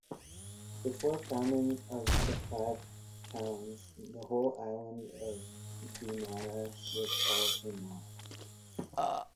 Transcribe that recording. Before founding of the five towns, the whole island of Guimaras was called "Himal-us".